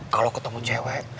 kalau ketemu cewek